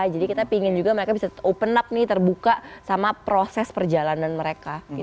jadi kita pingin juga mereka bisa open up nih terbuka sama proses perjalanan mereka